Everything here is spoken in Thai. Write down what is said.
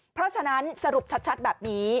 เพราะฉะนั้นสรุปชัดแบบนี้